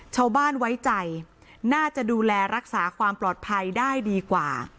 ชาวบ้านไว้ใจน่าจะดูแลรักษาความปลอดภัยได้ดีกว่า